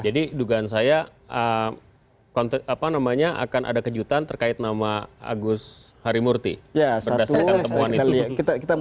jadi dugaan saya akan ada kejutan terkait nama agus harimurti berdasarkan temuan itu